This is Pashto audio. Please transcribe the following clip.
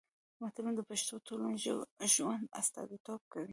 متلونه د پښتنو د ټولنیز ژوند استازیتوب کوي